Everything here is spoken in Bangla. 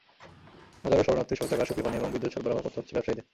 হাজারো শরণার্থীর শৌচাগার, সুপেয় পানি এবং বিদ্যুতের সরবরাহও করতে হচ্ছে ব্যবসায়ীদের।